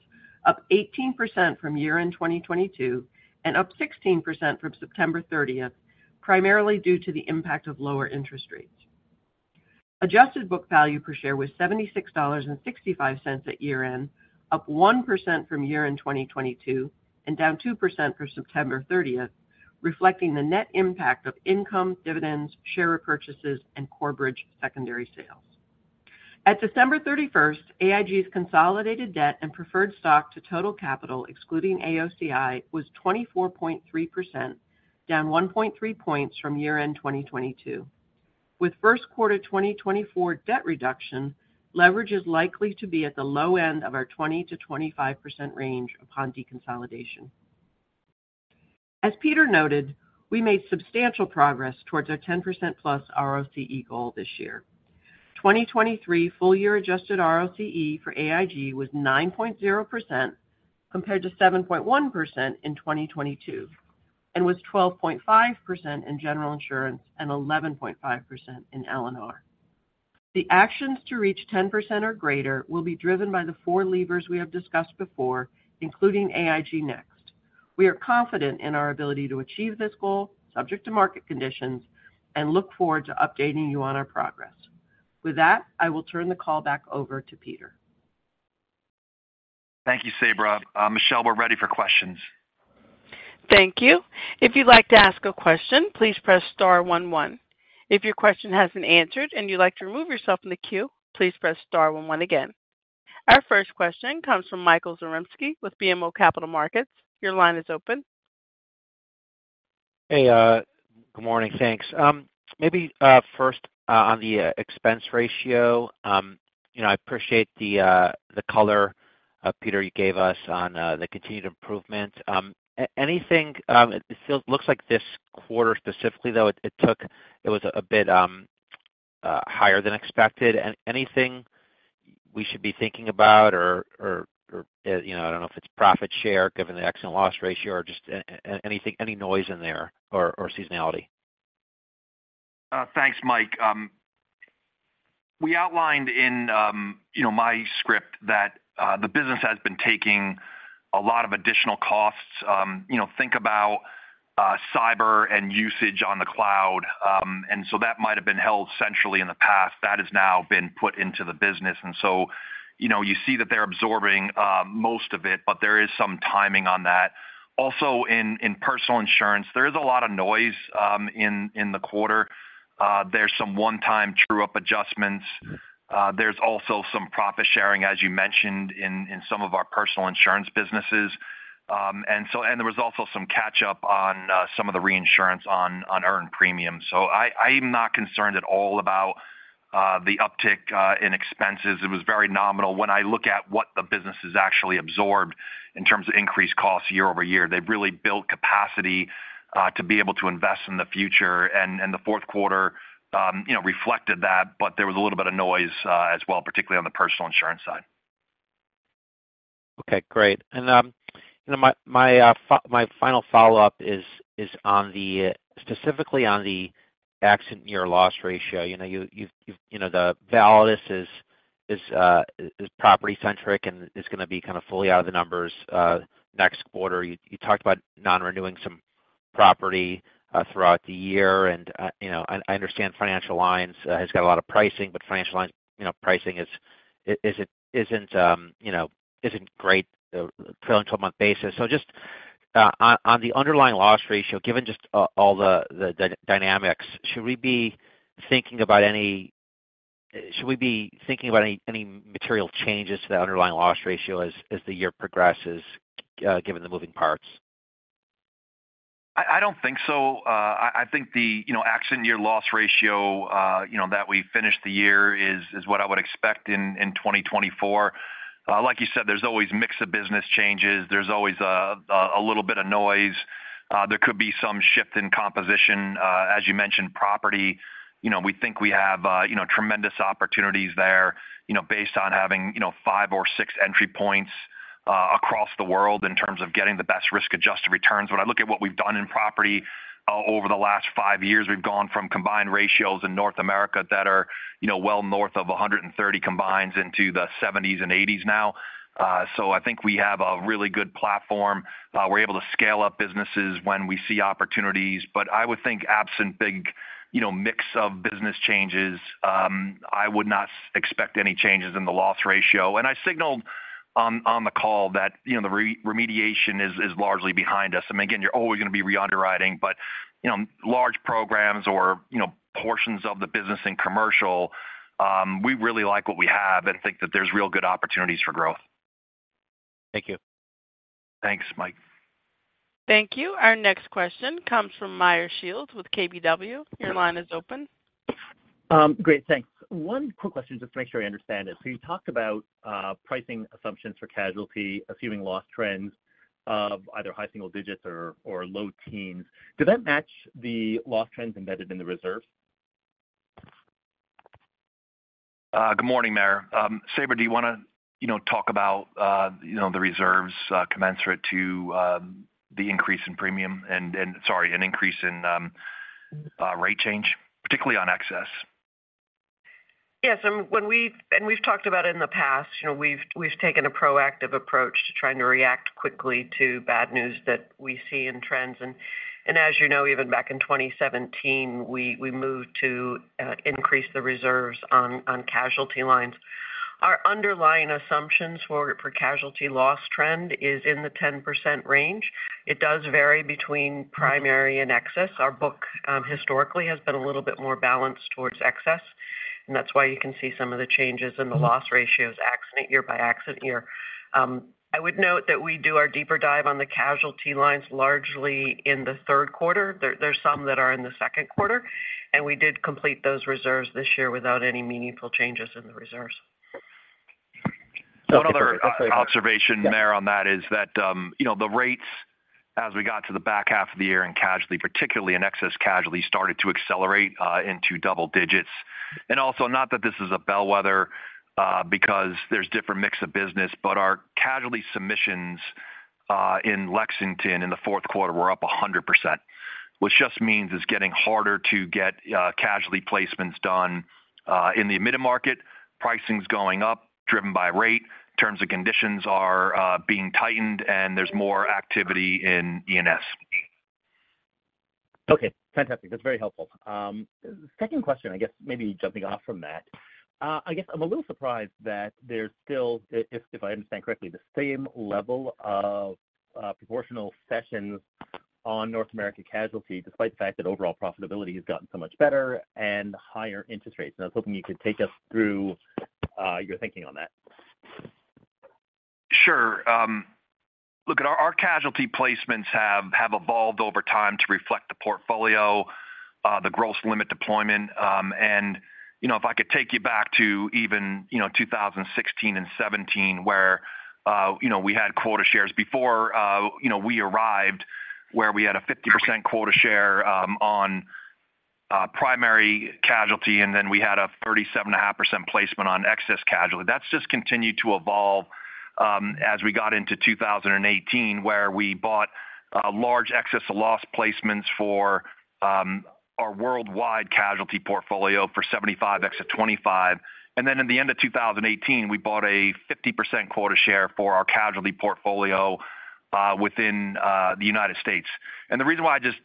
up 18% from year-end 2022 and up 16% from September 30, primarily due to the impact of lower interest rates. Adjusted book value per share was $76.65 at year-end, up 1% from year-end 2022 and down 2% for September 30, reflecting the net impact of income, dividends, share repurchases and Corebridge secondary sales. At December 31, AIG's consolidated debt and preferred stock to total capital, excluding AOCI, was 24.3%, down 1.3 points from year-end 2022. With first quarter 2024 debt reduction, leverage is likely to be at the low end of our 20%-25% range upon deconsolidation. As Peter noted, we made substantial progress towards our 10%+ ROCE goal this year. 2023 full-year adjusted ROCE for AIG was 9.0%, compared to 7.1% in 2022, and was 12.5% in General Insurance and 11.5% in L&R. The actions to reach 10% or greater will be driven by the four levers we have discussed before, including AIG Next. We are confident in our ability to achieve this goal, subject to market conditions, and look forward to updating you on our progress. With that, I will turn the call back over to Peter. Thank you, Sabra. Michelle, we're ready for questions. Thank you. If you'd like to ask a question, please press star one, one. If your question hasn't answered and you'd like to remove yourself from the queue, please press star one, one again. Our first question comes from Michael Zaremski with BMO Capital Markets. Your line is open. Hey, good morning. Thanks. Maybe first on the expense ratio, you know, I appreciate the color, Peter, you gave us on the continued improvement. Anything, it still looks like this quarter specifically, though, it took... It was a bit higher than expected. Anything we should be thinking about or, you know, I don't know if it's profit share, given the accident loss ratio or just anything, any noise in there or seasonality? Thanks, Mike. We outlined in, you know, my script that, the business has been taking a lot of additional costs. You know, think about, cyber and usage on the cloud. And so that might have been held centrally in the past, that has now been put into the business. And so you know, you see that they're absorbing, most of it, but there is some timing on that. Also, in Personal Insurance, there is a lot of noise, in the quarter. There's some one-time true-up adjustments. There's also some profit sharing, as you mentioned, in some of our Personal Insurance businesses.... And so, and there was also some catch up on, some of the reinsurance on, earned premium. So I, I'm not concerned at all about, the uptick, in expenses. It was very nominal. When I look at what the business has actually absorbed in terms of increased costs year-over-year, they've really built capacity to be able to invest in the future, and, and the fourth quarter, you know, reflected that, but there was a little bit of noise, as well, particularly on the Personal Insurance side. Okay, great. And you know, my final follow-up is specifically on the accident year loss ratio. You know, the Validus is property-centric, and it's going to be kind of fully out of the numbers next quarter. You talked about non-renewing some property throughout the year, and you know, I understand Financial Lines has got a lot of pricing, but Financial Lines, you know, pricing isn't great on a trailing twelve-month basis. So just on the underlying loss ratio, given all the dynamics, should we be thinking about any material changes to the underlying loss ratio as the year progresses, given the moving parts? I don't think so. I think the, you know, accident year loss ratio, you know, that we finished the year is what I would expect in 2024. Like you said, there's always mix of business changes. There's always a little bit of noise. There could be some shift in composition. As you mentioned, property, you know, we think we have, you know, tremendous opportunities there, you know, based on having, you know, five or six entry points across the world in terms of getting the best risk-adjusted returns. When I look at what we've done in property over the last five years, we've gone from combined ratios in North America that are, you know, well north of 130 combines into the 70s and 80s now. So I think we have a really good platform. We're able to scale up businesses when we see opportunities. But I would think absent big, you know, mix of business changes, I would not expect any changes in the loss ratio. And I signaled on the call that, you know, the remediation is largely behind us. I mean, again, you're always going to be reunderwriting, but, you know, large programs or, you know, portions of the business and commercial, we really like what we have and think that there's real good opportunities for growth. Thank you. Thanks, Mike. Thank you. Our next question comes from Meyer Shields with KBW. Your line is open. Great, thanks. One quick question, just to make sure I understand this. So you talked about pricing assumptions for casualty, assuming loss trends of either high single digits or low teens. Do that match the loss trends embedded in the reserves? Good morning, Meyer. Sabra, do you want to, you know, talk about, you know, the reserves commensurate to the increase in premium and... Sorry, an increase in rate change, particularly on excess? Yes, and we've talked about it in the past, you know, we've taken a proactive approach to trying to react quickly to bad news that we see in trends. And as you know, even back in 2017, we moved to increase the reserves on casualty lines. Our underlying assumptions for casualty loss trend is in the 10% range. It does vary between primary and excess. Our book, historically, has been a little bit more balanced towards excess, and that's why you can see some of the changes in the loss ratios accident year by accident year. I would note that we do our deeper dive on the casualty lines largely in the third quarter. There's some that are in the second quarter, and we did complete those reserves this year without any meaningful changes in the reserves. One other observation, Meyer, on that is that, you know, the rates as we got to the back half of the year in casualty, particularly in excess casualty, started to accelerate into double digits. And also, not that this is a bellwether, because there's different mix of business, but our casualty submissions in Lexington in the fourth quarter were up 100%, which just means it's getting harder to get casualty placements done in the admitted market, pricing's going up, driven by rate, terms and conditions are being tightened, and there's more activity in E&S. Okay, fantastic. That's very helpful. Second question, I guess maybe jumping off from that. I guess I'm a little surprised that there's still, if I understand correctly, the same level of proportional cessions on North American casualty, despite the fact that overall profitability has gotten so much better and higher interest rates. And I was hoping you could take us through your thinking on that. Sure. Look, our casualty placements have evolved over time to reflect the portfolio, the gross limit deployment. And, you know, if I could take you back to even, you know, 2016 and 2017, where, you know, we had quota shares before, you know, we arrived, where we had a 50% quota share on primary casualty, and then we had a 37.5% placement on excess casualty. That's just continued to evolve, as we got into 2018, where we bought large excess of loss placements for our worldwide casualty portfolio for 75 excess 25. And then in the end of 2018, we bought a 50% quota share for our casualty portfolio within the United States. The reason why I just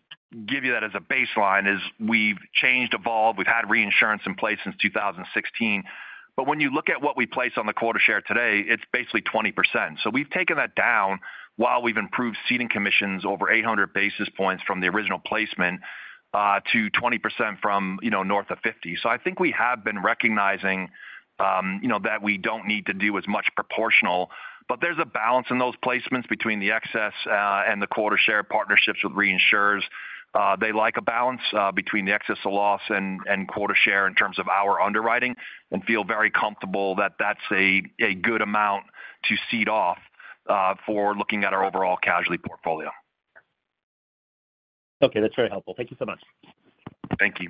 give you that as a baseline is we've changed, evolved. We've had reinsurance in place since 2016. But when you look at what we place on the quota share today, it's basically 20%. So we've taken that down while we've improved ceding commissions over 800 basis points from the original placement to 20% from, you know, north of 50%. So I think we have been recognizing, you know, that we don't need to do as much proportional, but there's a balance in those placements between the excess and the quota share partnerships with reinsurers. They like a balance between the excess of loss and quota share in terms of our underwriting, and feel very comfortable that that's a good amount to cede off for looking at our overall casualty portfolio. Okay, that's very helpful. Thank you so much. Thank you.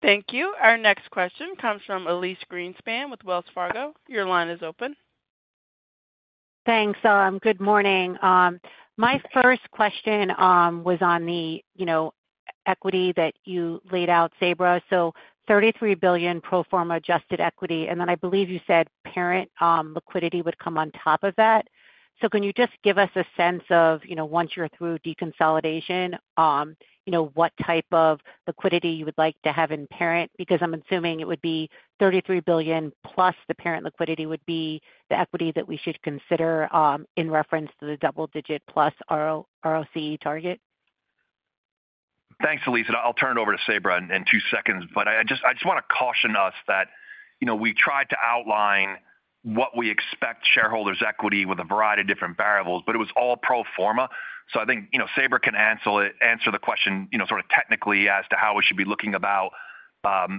Thank you. Our next question comes from Elyse Greenspan with Wells Fargo. Your line is open. Thanks, good morning. My first question was on the, you know, equity that you laid out, Sabra. So $33 billion pro forma adjusted equity, and then I believe you said parent liquidity would come on top of that. So can you just give us a sense of, you know, once you're through deconsolidation, you know, what type of liquidity you would like to have in parent? Because I'm assuming it would be $33 billion, plus the parent liquidity would be the equity that we should consider in reference to the double-digit+ ROC target. Thanks, Elyse, and I'll turn it over to Sabra in two seconds, but I just want to caution us that, you know, we tried to outline what we expect shareholders' equity with a variety of different variables, but it was all pro forma. So I think, you know, Sabra can answer the question, you know, sort of technically as to how we should be looking about,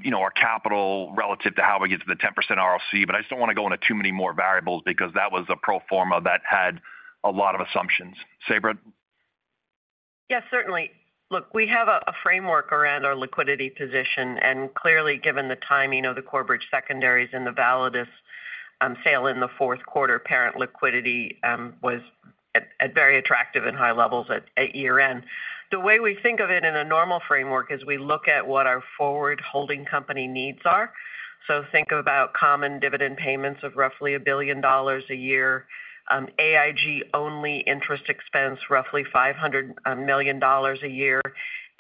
you know, our capital relative to how we get to the 10% ROC, but I just don't want to go into too many more variables because that was a pro forma that had a lot of assumptions. Sabra? Yes, certainly. Look, we have a framework around our liquidity position, and clearly, given the timing of the Corebridge secondaries and the Validus sale in the fourth quarter, parent liquidity was at very attractive and high levels at year-end. The way we think of it in a normal framework is we look at what our forward holding company needs are. So think about common dividend payments of roughly $1 billion a year, AIG-only interest expense, roughly $500 million a year,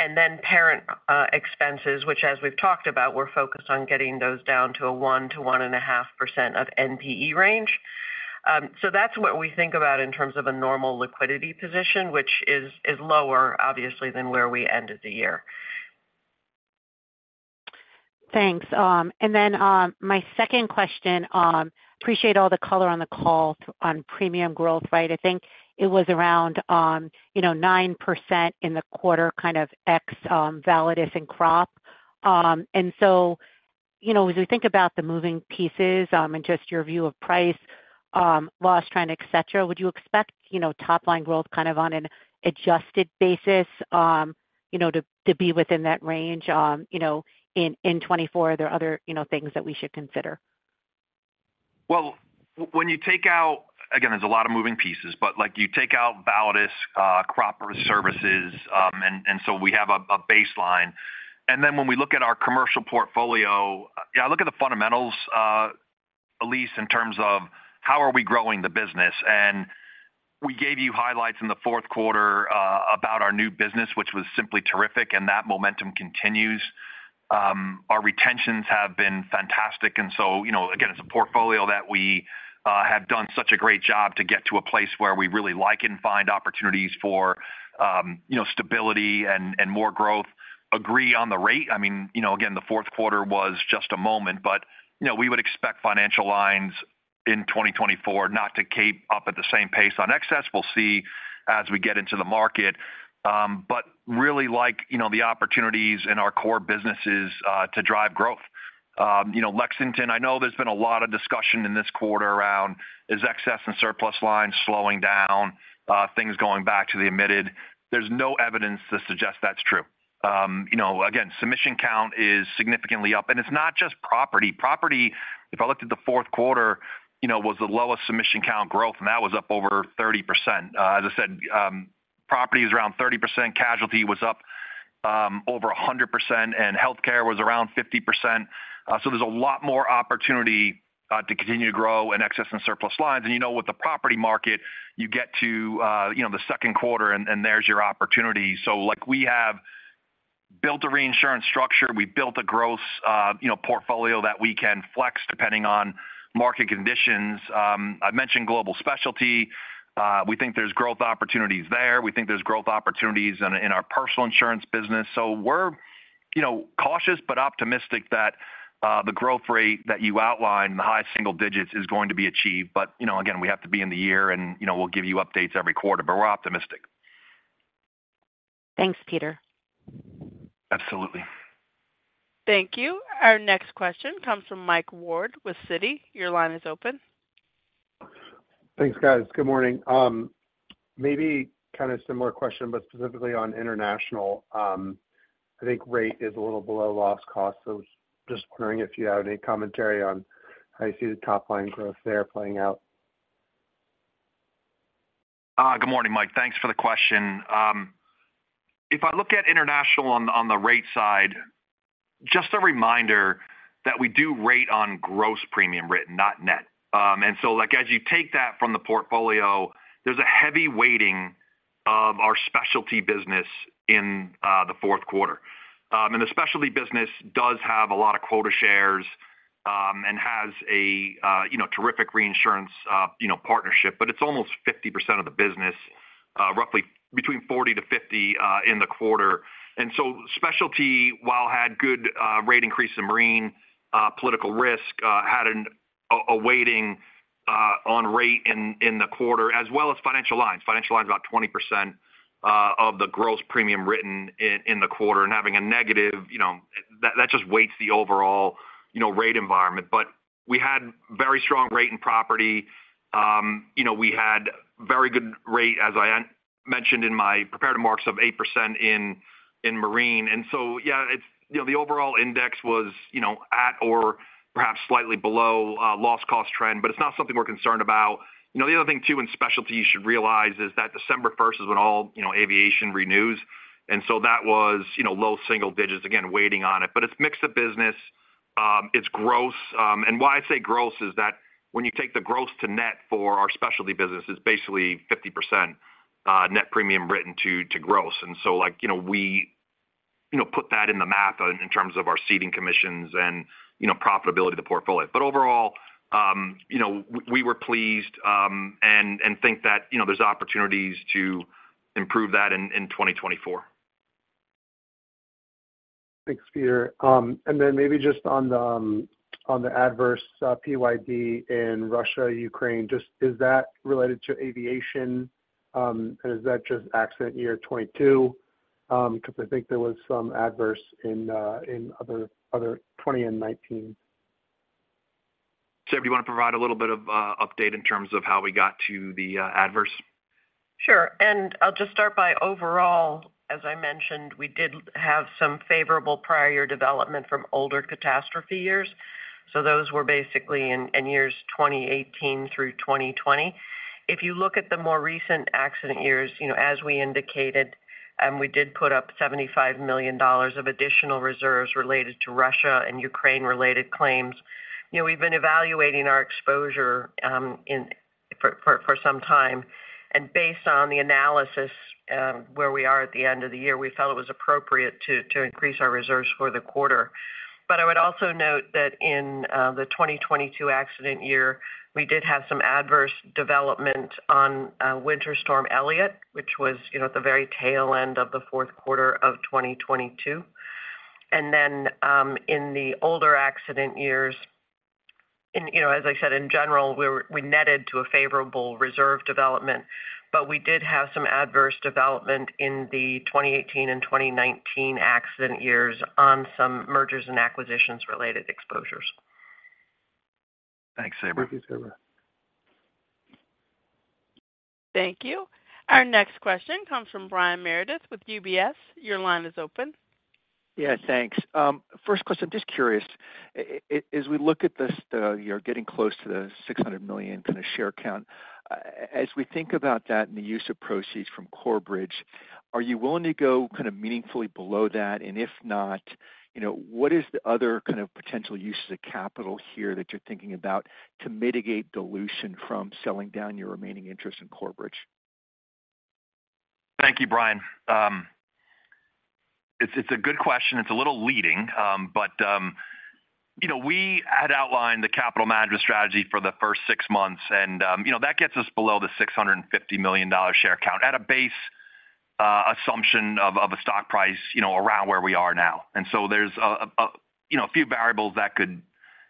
and then parent expenses, which, as we've talked about, we're focused on getting those down to a 1%-1.5% of NPE range. So that's what we think about in terms of a normal liquidity position, which is lower, obviously, than where we ended the year. Thanks. And then my second question, appreciate all the color on the call on premium growth, right? I think it was around, you know, 9% in the quarter, kind of ex Validus and crop. And so, you know, as we think about the moving pieces, and just your view of price, loss trend, et cetera, would you expect, you know, top-line growth kind of on an adjusted basis, you know, to be within that range, you know, in 2024? Are there other, you know, things that we should consider? Well, when you take out... Again, there's a lot of moving pieces, but, like, you take out Validus, Crop Risk Services, and so we have a baseline. And then when we look at our commercial portfolio, I look at the fundamentals, Elise, in terms of how are we growing the business. And we gave you highlights in the fourth quarter about our new business, which was simply terrific, and that momentum continues. Our retentions have been fantastic, and so, you know, again, it's a portfolio that we have done such a great job to get to a place where we really like and find opportunities for, you know, stability and more growth. Agree on the rate. I mean, you know, again, the fourth quarter was just a moment, but, you know, we would expect Financial Lines in 2024 not to keep up at the same pace on excess. We'll see as we get into the market, but really like, you know, the opportunities in our core businesses, to drive growth. You know, Lexington, I know there's been a lot of discussion in this quarter around, is excess and surplus lines slowing down? Things going back to the admitted. There's no evidence to suggest that's true. You know, again, submission count is significantly up, and it's not just property. Property, if I looked at the fourth quarter, you know, was the lowest submission count growth, and that was up over 30%. As I said, property is around 30%, casualty was up over 100%, and healthcare was around 50%. So there's a lot more opportunity to continue to grow in excess and surplus lines. And, you know, with the property market, you get to the second quarter, and there's your opportunity. So, like, we have built a reinsurance structure, we've built a growth, you know, portfolio that we can flex depending on market conditions. I mentioned Global Specialty. We think there's growth opportunities there. We think there's growth opportunities in our Personal Insurance business. So we're, you know, cautious but optimistic that the growth rate that you outlined, the high single digits, is going to be achieved. But, you know, again, we have to be in the year, and, you know, we'll give you updates every quarter, but we're optimistic. Thanks, Peter. Absolutely. Thank you. Our next question comes from Mike Ward with Citi. Your line is open. Thanks, guys. Good morning. Maybe kind of similar question, but specifically on international. I think rate is a little below loss cost, so just wondering if you have any commentary on how you see the top-line growth there playing out? Good morning, Mike. Thanks for the question. If I look at international on the rate side, just a reminder that we do rate on gross premium written, not net. And so, like, as you take that from the portfolio, there's a heavy weighting of our Specialty business in the fourth quarter. And the Specialty business does have a lot of quota shares, and has a, you know, terrific reinsurance, you know, partnership, but it's almost 50% of the business, roughly between 40-50 in the quarter. And so Specialty, while had good rate increase in marine, political risk, had a weighting on rate in the quarter, as well as Financial Lines. Financial Lines is about 20% of the gross premium written in the quarter and having a negative, you know, that just weighs the overall rate environment. But we had very strong rate in Property. You know, we had very good rate, as I mentioned in my prepared remarks, of 8% in Marine. And so, yeah, it's you know, the overall index was at or perhaps slightly below loss cost trend, but it's not something we're concerned about. You know, the other thing, too, in Specialty you should realize, is that December first is when all aviation renews, and so that was low single digits, again, weighing on it. But it's mix of business, it's gross. And why I say gross is that when you take the gross to net for our Specialty business, it's basically 50% net premium written to gross. And so like, you know, we, you know, put that in the math in terms of our ceding commissions and, you know, profitability of the portfolio. But overall, you know, we were pleased, and think that, you know, there's opportunities to improve that in 2024. Thanks, Peter. And then maybe just on the adverse PYD in Russia, Ukraine, just is that related to aviation? And is that just accident year 2022? Because I think there was some adverse in other 2020 and 2019. Sabra, do you want to provide a little bit of update in terms of how we got to the adverse? Sure. I'll just start by overall, as I mentioned, we did have some favorable prior year development from older catastrophe years, so those were basically in years 2018 through 2020. If you look at the more recent accident years, you know, as we indicated, we did put up $75 million of additional reserves related to Russia and Ukraine-related claims. You know, we've been evaluating our exposure in for some time, and based on the analysis, where we are at the end of the year, we felt it was appropriate to increase our reserves for the quarter. But I would also note that in the 2022 accident year, we did have some adverse development on Winter Storm Elliot, which was, you know, at the very tail end of the fourth quarter of 2022. Then, in the older accident years, you know, as I said, in general, we netted to a favorable reserve development, but we did have some adverse development in the 2018 and 2019 accident years on some mergers and acquisitions-related exposures. Thanks, Sabra. Thank you, Sabra. Thank you. Our next question comes from Brian Meredith with UBS. Your line is open. Yeah, thanks. First question, just curious, as we look at this, you're getting close to the 600 million kind of share count, as we think about that and the use of proceeds from Corebridge, are you willing to go kind of meaningfully below that? And if not, you know, what is the other kind of potential uses of capital here that you're thinking about to mitigate dilution from selling down your remaining interest in Corebridge? Thank you, Brian. It's a good question. It's a little leading, but you know, we had outlined the capital management strategy for the first six months, and you know, that gets us below the $650 million share count at a base assumption of a stock price, you know, around where we are now. And so there's a you know, a few variables that could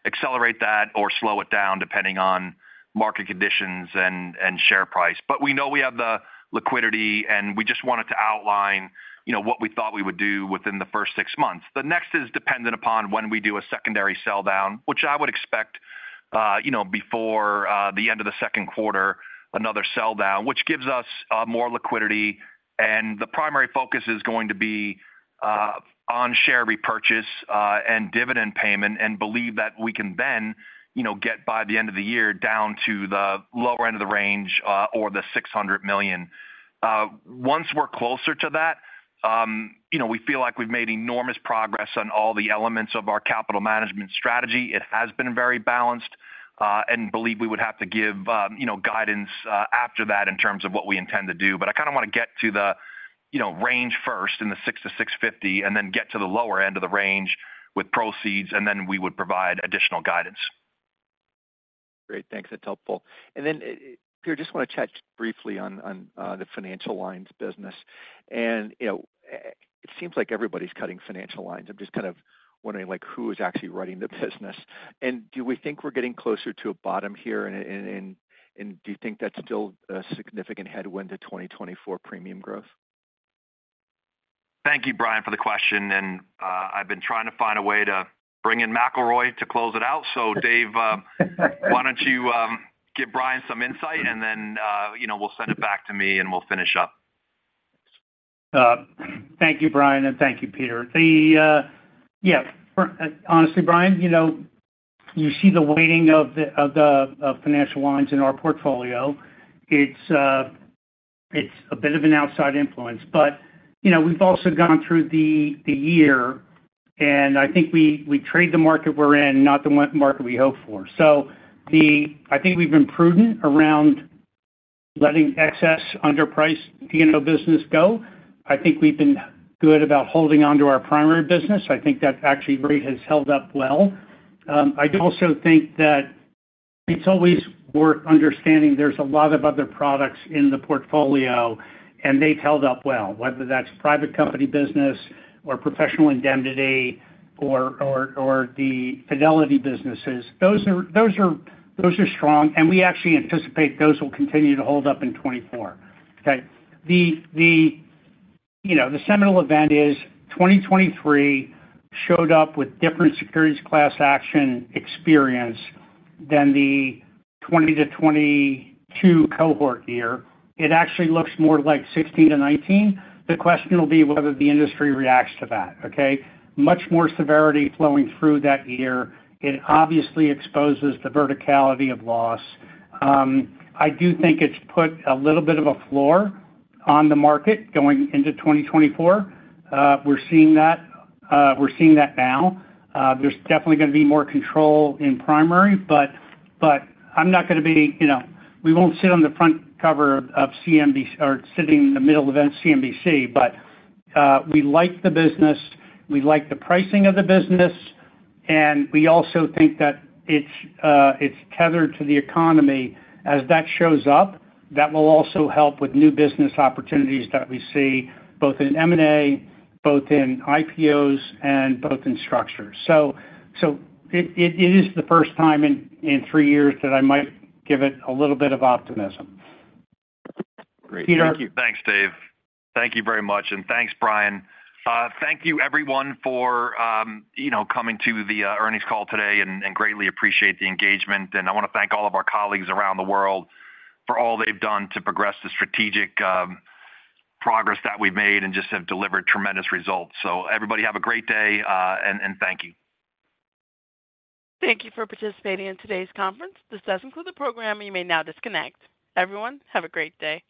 accelerate that or slow it down, depending on market conditions and share price. But we know we have the liquidity, and we just wanted to outline you know, what we thought we would do within the first six months. The next is dependent upon when we do a secondary sell down, which I would expect, you know, before, the end of the second quarter, another sell down, which gives us, more liquidity. And the primary focus is going to be, on share repurchase, and dividend payment, and believe that we can then, you know, get, by the end of the year, down to the lower end of the range, or the $600 million. Once we're closer to that, you know, we feel like we've made enormous progress on all the elements of our capital management strategy. It has been very balanced, and believe we would have to give, you know, guidance, after that in terms of what we intend to do. But I kind of want to get to the, you know, range first in the 6-6.50, and then get to the lower end of the range with proceeds, and then we would provide additional guidance. Great. Thanks. That's helpful. And then, Peter, just want to touch briefly on, on, the Financial Lines business. And, you know, it seems like everybody's cutting Financial Lines. I'm just kind of wondering, like, who is actually running the business? And do we think we're getting closer to a bottom here, and do you think that's still a significant headwind to 2024 premium growth? Thank you, Brian, for the question, and I've been trying to find a way to bring in McElroy to close it out. So Dave, why don't you give Brian some insight, and then, you know, we'll send it back to me, and we'll finish up. Thank you, Brian, and thank you, Peter. Yeah, honestly, Brian, you know, you see the weighting of the financial lines in our portfolio. It's a bit of an outside influence, but, you know, we've also gone through the year, and I think we trade the market we're in, not the one market we hope for. So I think we've been prudent around letting excess underpriced D&O business go. I think we've been good about holding onto our primary business. I think that actually has held up very well. I do also think that it's always worth understanding there's a lot of other products in the portfolio, and they've held up well, whether that's private company business or professional indemnity or the fidelity businesses. Those are strong, and we actually anticipate those will continue to hold up in 2024. Okay. You know, the seminal event is 2023 showed up with different securities class action experience than the 2020-2022 cohort year. It actually looks more like 2016-2019. The question will be whether the industry reacts to that, okay? Much more severity flowing through that year. It obviously exposes the verticality of loss. I do think it's put a little bit of a floor on the market going into 2024. We're seeing that. We're seeing that now. There's definitely going to be more control in primary, but I'm not going to be, you know, we won't sit on the front cover of CNBC or sitting in the middle of CNBC. But, we like the business, we like the pricing of the business, and we also think that it's tethered to the economy. As that shows up, that will also help with new business opportunities that we see, both in M&A, both in IPOs, and both in structures. So, it is the first time in three years that I might give it a little bit of optimism. Great. Peter? Thanks, Dave. Thank you very much, and thanks, Brian. Thank you, everyone, for, you know, coming to the earnings call today and greatly appreciate the engagement. And I want to thank all of our colleagues around the world for all they've done to progress the strategic progress that we've made and just have delivered tremendous results. So everybody have a great day, and thank you. Thank you for participating in today's conference. This does conclude the program. You may now disconnect. Everyone, have a great day.